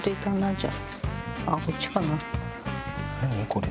これ。